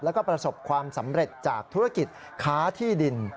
แล้วก็ประสบความสำเร็จจากธุรกิจค้าที่ดิน